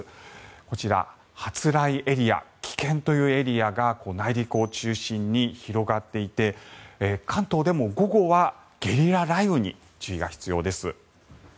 こちら、初雷エリア危険というエリアが内陸を中心に広がっていて関東でも午後はゲリラ雷雨に注意が必要です。